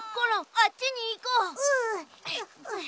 あっちにいこう。